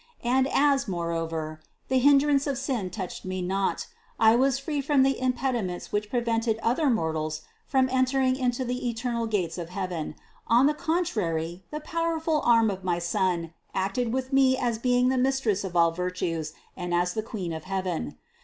And as, more over, the hindrance of sin touched me not, I was free from the impediments which prevented other mortals from entering into the eternal gates of heaven; on the contrary the powerful arm of my Son acted with me as being the Mistress of all virtues and as the Queen of heaven.